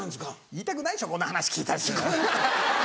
言いたくないでしょこんな話聞いた後。